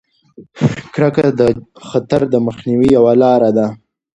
کرکه د خطر د مخنیوي یوه لاره ده.